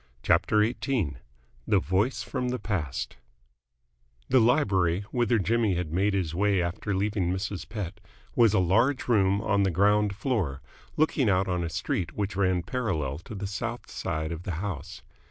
CHAPTER XVIII THE VOICE PROM THE PAST The library, whither Jimmy had made his way after leaving Mrs. Pett, was a large room on the ground floor, looking out on the street which ran parallel to the south side of the house.